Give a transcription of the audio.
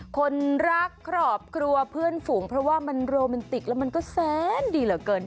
คนรักครอบครัวเพื่อนฝูงเพราะว่ามันโรแมนติกแล้วมันก็แสนดีเหลือเกิน